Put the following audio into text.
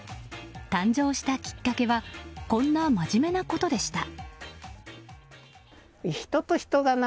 誕生したきっかけはこんな真面目なことでした。